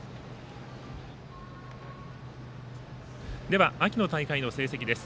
では秋の大会の成績です。